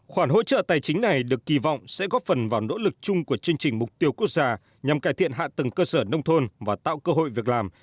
khoản hỗ trợ tài chính này được kỳ vọng sẽ góp phần vào nỗ lực chung của chương trình mục tiêu quốc gia nhằm cải thiện hạ tầng cơ sở nông thôn và tạo cơ hội việc làm